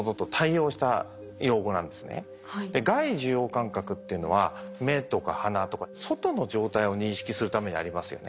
外受容感覚っていうのは目とか鼻とか外の状態を認識するためにありますよね。